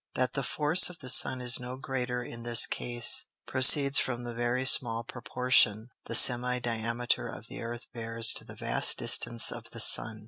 That the force of the Sun is no greater in this Case, proceeds from the very small Proportion the Semi diameter of the Earth bears to the vast distance of the Sun.